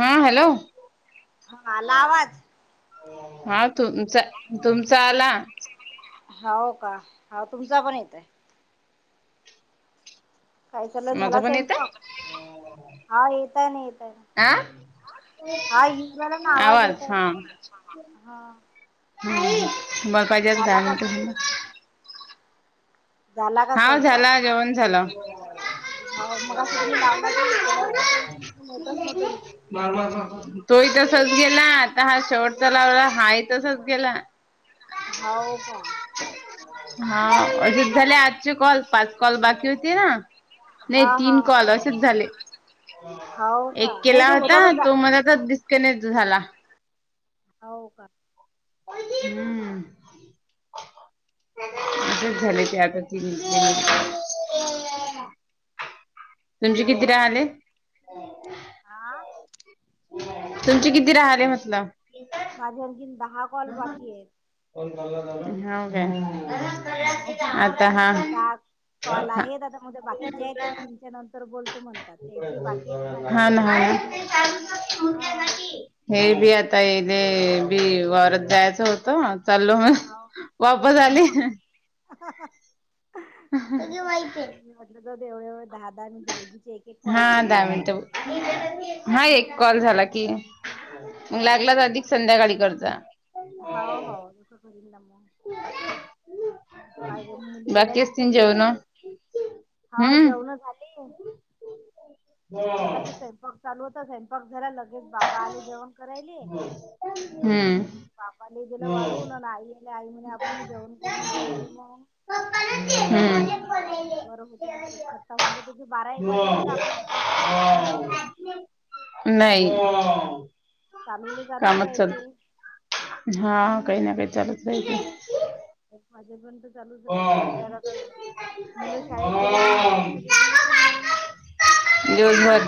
हा हॅलो हा तुमचा तुमचा आला. हाव का हा तुमचा पण येतय. काय चालू आहे माझा झाला पण येत स्वयंपाक, आ हा येतय ना येतय. हा हिकडूना आवाज येतात हा. [unintelligible] झाला का हा स्वयंपाक. झाला जेवण झालं हो मग असं तुम्ही लावला त पोळ्या होेतच नवत केली. ह ह ह तोय तसच गेला आता हा शेवटचा लावला हाही तसाच गेला. हो का? हा अजित दा ले झाले आजचे कॉल पाच कॉल बाकी होते ना? नाही तीन कॉल असेच झाले. एक केला होता तो मला आता डस्कनेक्ट झाला. हो का? हम्म आता झाले ते आता तिन्ही बहिणीचे. तुमचे किती राहिले? [unintelligible] आ तुमचे किती राहल म्हटलं. माझ आणखीन दहा. हाव काय? आता हा कॉल हा आहेत आता म बाकीचे आहेत ते तीनच्या नंतर बोलतो म्हणतात, त्याची बाकी आहे माझी हा ना हा बाकी आहे. [unintelligible] हे बी आता येले, बी वरत जायचं होतं. चाललो मग हो, वापस आले अहं, हाहाहा. ह मला माहिती हो जाऊदे एवढ्या वेळ. हा दहा मिनिट, नई एक कॉल झाला की. मग लागलाच अधिक संध्याकाळीकडच. होा हो तसं करन ना मग. बाकी असतील जेवणं. हाव जेवण झाले. मगाशी स्वयंपाक चालू होता स्वयंपाक झाला लगेच बाबा आले जेवण करायले. हम्म. पापाला गेलं वाढवून हम्म. आणि आई आले आई म्हणे आपण जेवण करून घेऊ म्हणे मग हम्म बरं होत म्हण एखट काहून त बारा एक वाजेपर्यंत आपलं रिकामपणच होत नाही हो ताई. नाही कामाच चालतय. हा काही ना काय चालूच रायते. माझे पण तर चालूच राहायते त्याला काय मुलं शाळेत गेले म्हण मुलांच काय टेन्शन नाही. दिवसभर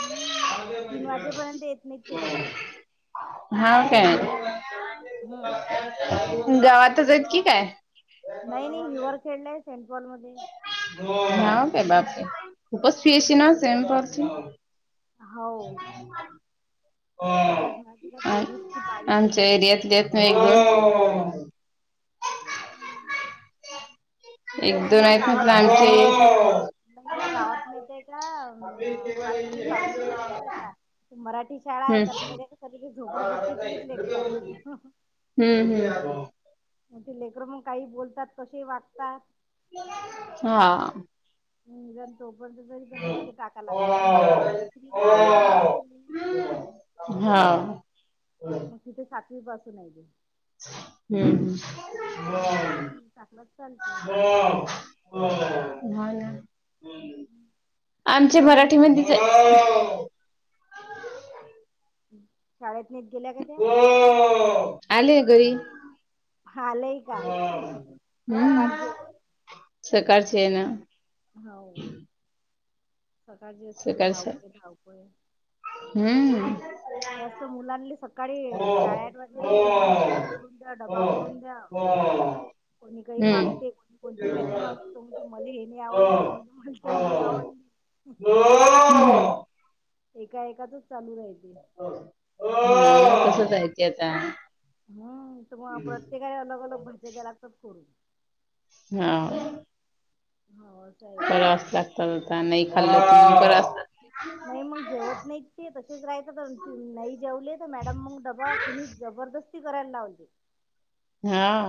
हम्म आता तीन वाजेपर्यंत येत नाहीत ते घरी. हा काय गावातच आहेत की काय? नाही-नाही हिवर खेळले सेंट पॉल मध्ये. [unintelligible] खूपच फि असी ना सेंट पॉल ची. आम आमच्या एरियातले एक दीन. एक दोन ऐत मात्र आमचे. नाही ना गावात नाही. ते का ना पाचवी-सहावी पर्यंत शा मराठी शाळा हम्म येतात [unintelligible] कधी काय झोपडपट्टीतलेच लेकरं. हम्म हम्म. म ते लेकरं मग काही बोलतात कशे ही वागतात. हा. [unintelligible] हां. मग तिथे सातवी पासून हाय ती. हम्म हम्म. टाकलत चाल हाव ना. आमचे मराठीमध्येच आहे. शाळेत नईत गेल्या का त्या? आलेय घरी हम्म. सकाळची आहे ना. हाव सकाळची असली की सकाळच धावपळ-धावपळ. हम्म. असतं मुलांले सक काळी हम्म साडेआठ वाजे पर्यंत पूर्ण तयार करून द्या डब्बा करून द्या. कोणी काही मांगते कोणी कोणती भाजी मागते मले हे नई आवडली हम्म, तो म्हणतो मले ते नई आवडली. [unintelligible] एका एकाचच चालू राहते. कस जायच आता? हम तर म प्रत्येकाला अलग-अलग भाज्या द्या लागतात करून. नावं. हो असंय करावस लागतं त्यान नई खाल्लं तर मग करावस नाही मंग जेवत नाहीत ते तशेच राहायता तर नाही जेवले तर मॅडम मंग डबा फिनिश जबरदस्त ती कराय लावते. हां.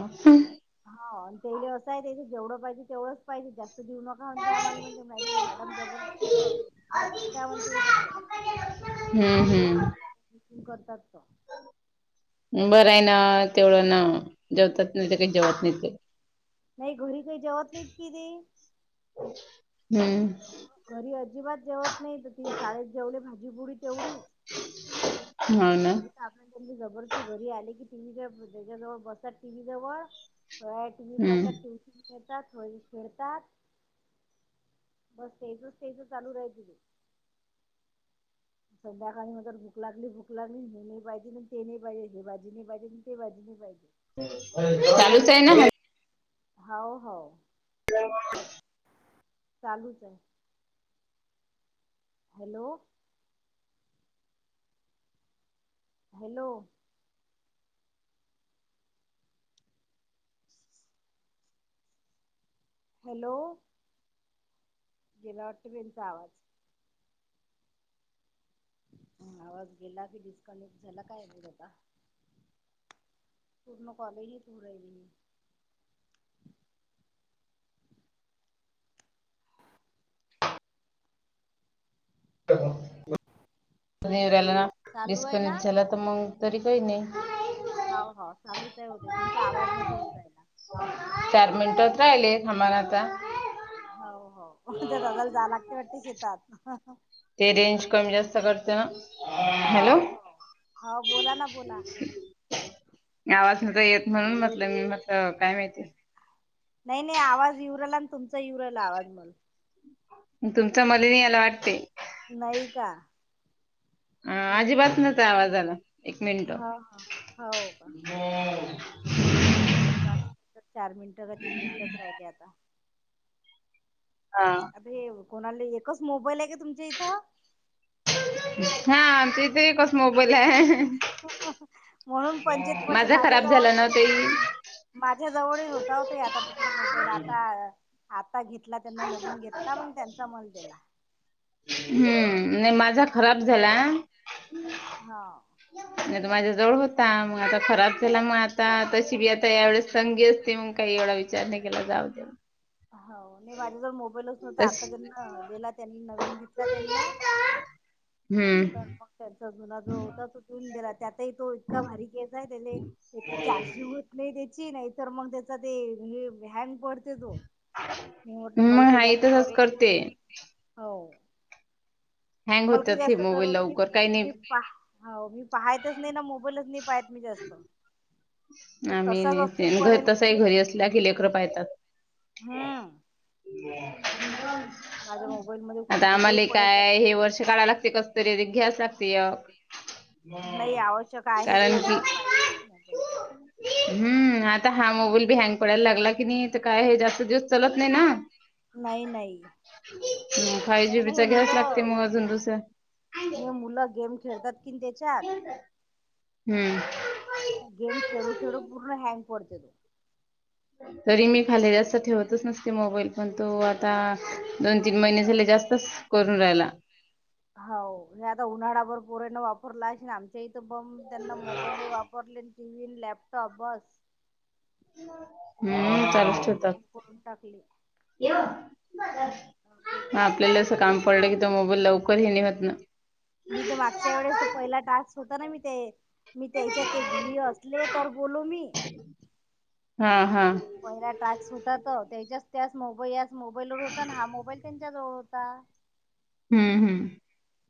हाव त्यायले असा आहे ते जे जेवढं पाहिजे तेवढच पाहिजे जास्त देऊ न हां ते आम्हाले म्हटले मॅडी मॅडम [unintelligible] खाऊनच जा म्हणते हे सगळं. हम्म हम्म. [unintelligible] करतात तो. बरं आहे ना तेवढं ना जेवतात नई ते कई जेवत नई ते. नाही घरी काही जेवत नाहीत कि ते. हम्म. घरी अजिबात जेवत नाही तर ती शाळेत जेवले भाजीपुडी तेवढीच. हाव ना. आपण ज जबरदस्ती घरी आली की, टीव्ही त्याच्या जवळ बसात टीव्ही जवळ [unintelligible] तुम्ही हम्म पाहिता ट्यूशन. येतात थोडे खेळतात बस तेजूच तेजू चालू राहते. संध्याकाळी ना जर भूक लागली भूक लागली हे नई पाहिजे नी ते नई पाहिजे हे भाजी नई पाहिजे नी ते भाजी नई पाहिजे. चालूच हाय ना हाव हाव. [unintelligible] चालूच आहे. हॅलो. हॅलो. हॅलो. गेला वाटत बाई, याचा आवाज. आवाज गेला की, डिस्कनेक्ट झाला काय माहित आता पूर्ण कॉलेज ही [unintelligible] नाही येऊन राहिला ना डिस्कनेक्ट झाल्यात. तर मग तरी, काही नाही. हाव हाव चालूचय आहे वो ताई तुमचा आवाज नव्हता येऊ राहीला. चार मिनिटात राहिले, थांबा ना आता. हाव हाव त्या, दादाला जाय लागते वाटते शेतात. ते रेंज कमी जास्त करते ना हॅलो. हा बोला ना बोला. गावात तर येत म्हणून, म्हटलं मी म्हटल काय माहिती. नाही, नाही आवाज येऊ राहीला आणि तुमचा येऊ राहिला आवाज तुमचा मले नाही आला वाटते. नाही का? अं.. अजिबात नव्हता आवाज आला एक मिनट. साडेपाच, चार मिनिटं का तीन मिनिटंच राहिले आता. हा. हे कोणाले एकच मोबाईल आहे का तुमच्या इथं. हा. ती बी एकच मोबाईल आहे. म्हणून, पंचीत पडते माझा माझ्या खराब जवळ झाला ना ताई माझ्या जवळ ही होता होता आतापर्यंत मोबाईल आता. आता घेतला त्यांना नवीन घेतला मग त्यांचा मला दिला. हम्म. नाही माझा खराब झाला आहे हांव. नाहीतर माझ्या जवळ होता मग खराब झाला मग आता तशी बी आता यावेळेस संगी असते मग काही एवढा विचार विचार नाय केला जाऊ द्या. हो, नाही माझ्याजवळ मोबाईलच नव्हता. आता तशी ज्यांना देला त्यांनी नवीन घेतला त्यांना हम्म. मग त्यांचा जुना जो होता तो देऊन दिला त्यातही तो इतका भारी [unintelligible] आहे दिले. एक तर चार्जिंग होत नाही त्याची, नाही तर मग त्याचा ते हँग पडते तो. मी होतो मला मग काही हा जास्त तसंच जरुरत करते पडत नाही. हो हँग मला, काय होतात हे जास्त मोबाईल जरूरी नाही लवकर काही तुम्हीच पाहा. हो, मी पाहतच नाही ना मोबाईलच नाही पाहत मी जास्त आम्ही नाही ते घर तसही घरी असल्या की लेकरं पाहितात. आता, आम्हाले काय हे वर्ष काढाय लागते कसं, तरी रिक्स लागतेय. बाई आवश्यक आहेच ना, घरात पाहिजे तस नाही. हम्म. आता, हा मोबाईल बी हँग पडायला लागला की नाही काय जास्त दिवस चालत नाही ना हं.. फाईव्ह जीबीचा घ्यावाच लागते, मग अजून दुसरा. हे मुलं गेम, खेळतात की तेच्यात. हम्म. गेम खेळू खेळू पूर्ण हँग पडतेले. तरी मी खाली जास्तं ठेवतच नसत ते मोबाईल पण तो आता दोन तीन महिने झाले जास्तच करून राहिला. हो हे आता उन्हाळा भर पोरायण वापरला असेन आमच्याहीथ बम त्यांना मोब पहिले वापरले टीव्ही न लॅपटॉप बसं. [unintelligible] ती पाहून पाहून चालूच ठेवतात. तीन करून टाकली. आपल्याला अस काम पडलं की तो मोबाईल लवकर हे नि होत ना. मी तर मागच्या वेळेस तो पहिला टास्क होता ना मी ते. मी त्याच्या ते घरी असले तर बोलो मी. हा हा. पहिला ट्रॅक्स होतात त्याच्याच त्याच मोबई मोबाईल व होता आणि हा मोबाईल त्यांच्या जवळ होता. हम्म हम्म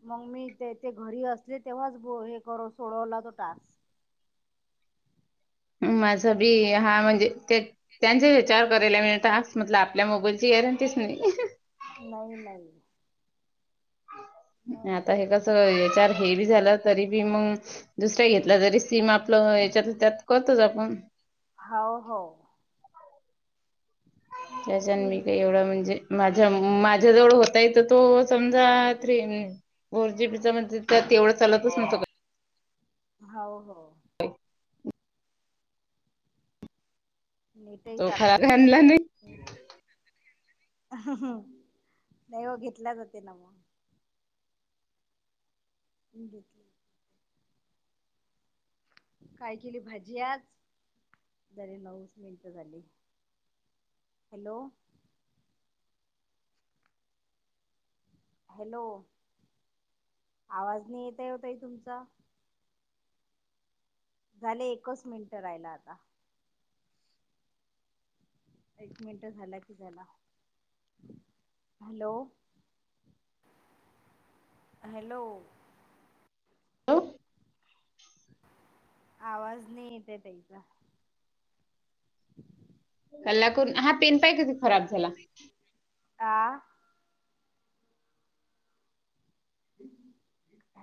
मग मी ते ते घरी असले तेव्हाच हे कर सोडवला तो टास्क. ह माझ बी हा म्हणजे त्यांचा विचार करायला, मिळ म्हट आपल्या मोबाईलची गरंटीच नाही. नाही नाही. आता हे कस याच्याार हेवी झालं तरी बी मग. दुसऱ्या घेतला जरी सिम आपलं याच्यात त्यात करतोच आपण. हो हो. त्याच्यान मी काही एवढं म्हणजे. माझ्या माझ्याजवळ होताय तर तो समजा त. फोर जीबी चा म्हण त्या तेवढं चालतच नव्हं का? हो हो. हो तो फराक आणला नाही. नाही हो घेतल्या जाते ना मग. घेतला काय केली भाजी आज? जरी नऊस मिनिट झाली. हॅलो हॅलो आवाज नाही येत आहे हो ताई तुमचा. झाले एकच मिनिट राहिला आता. एक मिनट झाला की झाला. हॅलो हॅलो तो आवाज नाही येते त्याचा. [inaudible] कला करून, हा पेन पाहि कधी खराब झाला. आ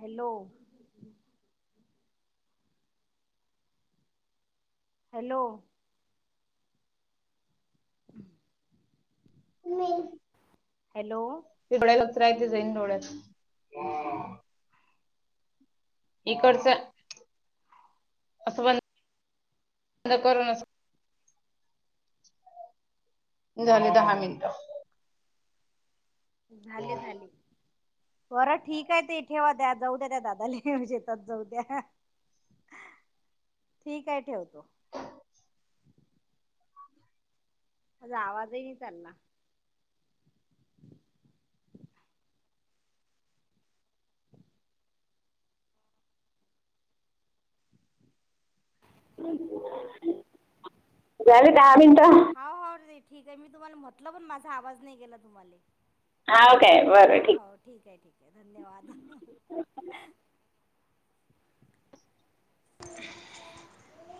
हॅलो. हॅलो [unintelligible] हॅलो ते डोड्या लगत राहते जाईन डोळ्यात. इकडच असं ब बंद करून असं झाले दहा मिनिटं झाले झाले. बरं ठीक आहे ते ठेवा द्या जाऊ द्या त्या दादा ल शेतात जाऊ द्या. ठीक आहे ठेवतो. माझा आवाजही चालला. झाले दहा मिनट, हो हो ठीक हाय ठीक हा मी तुम्हाला म्हटलं पण माझा आवाज नाही गेला तुम्हाला. हाव काय? बर ठीक आहे ठीक आहे धन्यवाद. [inaudible]